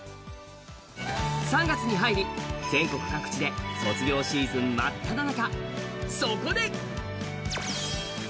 ３月に入り全国各地で卒業シーズン真っただ中。